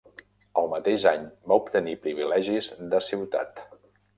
El mateix any va obtenir privilegis de ciutat.